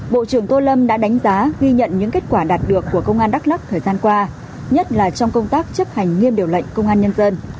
bộ trưởng tô lâm đã đánh giá ghi nhận những kết quả đạt được của công an đắk lắc thời gian qua nhất là trong công tác chấp hành nghiêm điều lệnh công an nhân dân